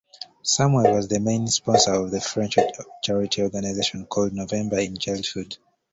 Samuel was the main sponsor of the French charity organization called November in Childhood.